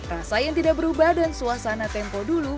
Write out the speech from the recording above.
rasa yang tidak berubah dan suasana tempo dulu